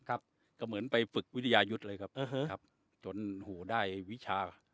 ครับก็เหมือนไปฝึกวิทยายุทธ์เลยครับจนหูได้วิชา